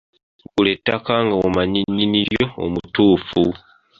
Gula ettaka ng’omanyi nnyini lyo omutuufu.